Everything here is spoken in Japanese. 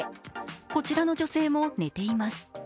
こちらの女性も寝ています。